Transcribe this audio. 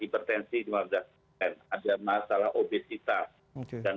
ini menambah imunologi dari ibu hamil lebih rendah sehingga kalau terkena virus covid sembilan belas ini